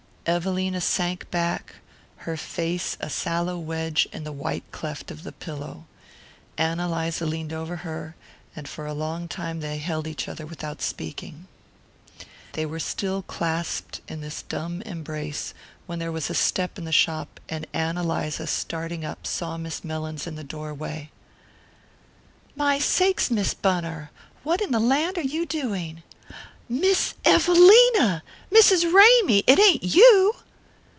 Evelina sank back, her face a sallow wedge in the white cleft of the pillow. Ann Eliza leaned over her, and for a long time they held each other without speaking. They were still clasped in this dumb embrace when there was a step in the shop and Ann Eliza, starting up, saw Miss Mellins in the doorway. "My sakes, Miss Bunner! What in the land are you doing? Miss Evelina Mrs. Ramy it ain't you?"